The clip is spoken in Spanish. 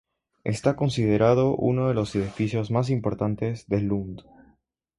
Está considerado uno de los edificios más importantes de Lund.